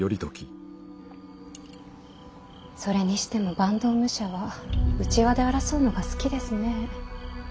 それにしても坂東武者は内輪で争うのが好きですね。